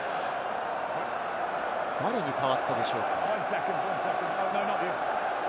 誰に代わってでしょう？